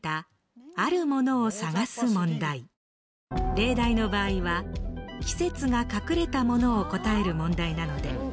例題の場合は季節が隠れたものを答える問題なので。